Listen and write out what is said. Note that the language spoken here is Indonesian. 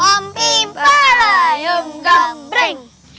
kom hoping warah yang berhasil